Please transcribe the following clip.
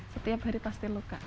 setiap hari pasti luka